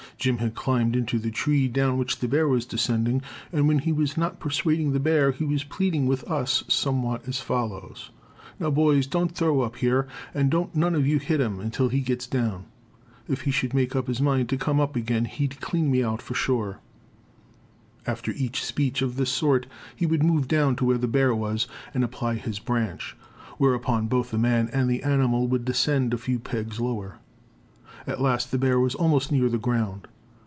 Jim had climbed into the tree down which the bear was descending, and when he was not persuading the bear he was pleading with us somewhat as follows: "Now, boys, don't throw up here, and don't none of you hit him until he gets down. If he should make up his mind to come up again he'd clean me out, sure." After each speech of this sort he would move down to where the bear was and apply his branch, whereupon both the man and the animal would descend a few pegs lower. At last the bear was almost near the ground.